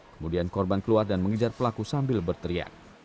kemudian korban keluar dan mengejar pelaku sambil berteriak